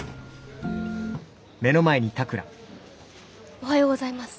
おはようございます。